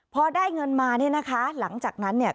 พอได้เงินมาเนี่ยนะคะหลังจากนั้นเนี่ย